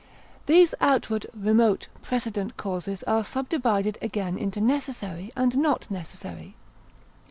These outward, remote, precedent causes are subdivided again into necessary and not necessary.